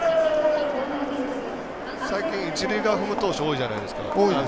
最近、一塁側踏む投手、多いじゃないですか。